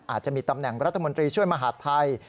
อาจจะมีตำแหน่งรัฐมนตรีช่วยมหาดไทย